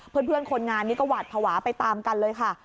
เพื่อนคนงานนี้ก็หวาดภาวะไปตามกันเลยค่ะ